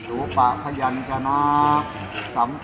อุปประยันทร์กล๊อตครับ